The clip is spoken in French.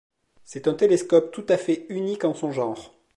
C'est un télescope tout à fait unique en son genre.